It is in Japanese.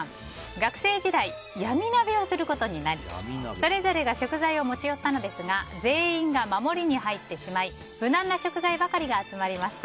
学生時代、闇鍋をすることになりそれぞれが食材を持ち寄ったのですが全員が守りに入ってしまい無難な食材ばかりが集まりました。